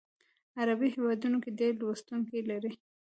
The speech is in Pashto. عربي هیوادونو کې ډیر لوستونکي لري.